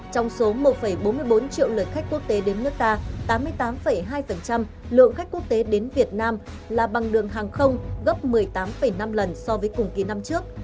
trong số một bốn mươi bốn triệu lượt khách quốc tế đến nước ta tám mươi tám hai lượng khách quốc tế đến việt nam là bằng đường hàng không gấp một mươi tám năm lần so với cùng kỳ năm trước